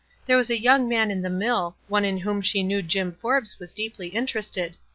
There was a young man in the mill, one in whom she knew Jim Forbes was deeply in terested.